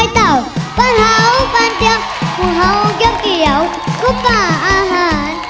ตายเต่าบ้านเตี๋ยวหัวเกี่ยวกับอาหาร